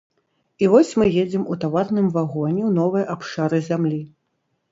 І вось мы едзем у таварным вагоне ў новыя абшары зямлі.